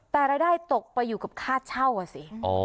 แต่รายได้ตกไปอยู่กับค่าเช่าอ่ะสิ